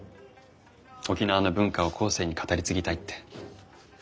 沖縄の文化を後世に語り継ぎたいって。